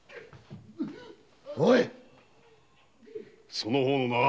その方名は？